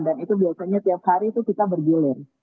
dan itu biasanya tiap hari itu kita bergilir